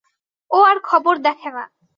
ও আর খবর দেখে না।